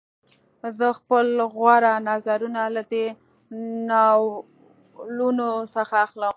زه خپل غوره نظرونه له دې ناولونو څخه اخلم